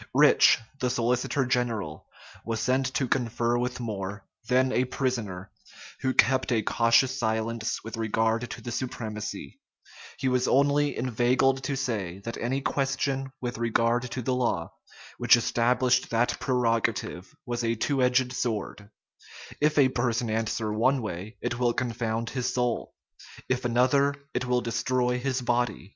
Rich, the solicitor general, was sent to confer with More, then a prisoner, who kept a cautious silence with regard to the supremacy: he was only inveigled to say, that any question with regard to the law which established that prerogative was a two edged sword; if a person answer one way, it will confound his soul; if another, it will destroy his body.